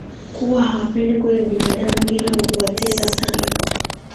kuwa hawapendi kula binadamu ila huwatesa sana